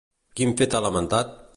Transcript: Quin fet ha lamentat?